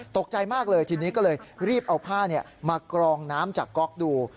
ตกใจมากเลยทีนี้ก็เลยรีบเอาผ้ามากรองน้ำจากก๊อกดู